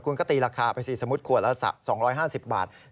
คุณก็ตีราคาไปสิสมมุติขวดละ๒๕๐บาท